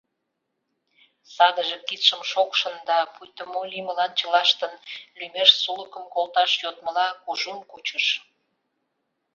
Садыже кидшым шокшын да, пуйто мо лиймылан чылаштын лӱмеш сулыкым колташ йодмыла, кужун кучыш.